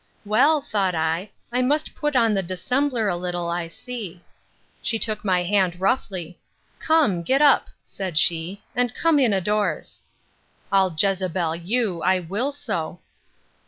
Well, thought I, I must put on the dissembler a little, I see. She took my hand roughly; Come, get up, said she, and come in a'doors!—I'll Jezebel you, I will so!